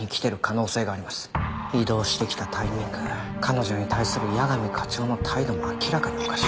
異動してきたタイミング彼女に対する矢上課長の態度も明らかにおかしい。